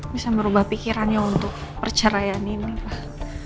bisa merubah pikirannya untuk perceraian ini pak